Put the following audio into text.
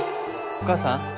お母さん？